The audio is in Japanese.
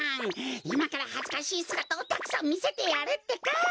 いまからはずかしいすがたをたくさんみせてやるってか！